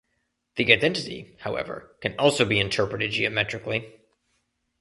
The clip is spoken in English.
The identity however can also be interpreted geometrically.